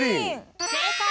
正解！